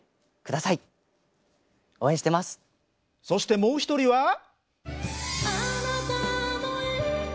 そしてもう一人は。